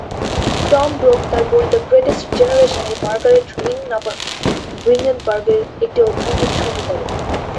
Tom Brokaw তার বই "the greatest জেনারেশন"-এ মার্গারেট রিংেনবার্গের একটি অধ্যায় উৎসর্গ করেন।